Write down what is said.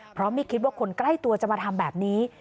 เพราะไม่คิดว่าคนใกล้ตัวจะมาทำแบบนี้